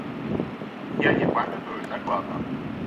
Я не памятаю дакладна.